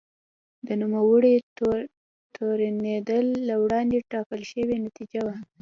د نوموړي تورنېدل له وړاندې ټاکل شوې نتیجه وه.